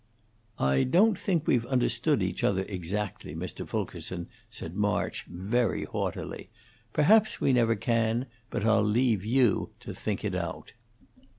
"I don't think we've understood each other exactly, Mr. Fulkerson," said March, very haughtily. "Perhaps we never can; but I'll leave you to think it out."